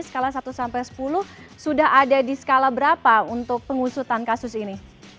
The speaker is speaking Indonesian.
skala satu sampai sepuluh sudah ada di skala berapa untuk pengusutan kasus ini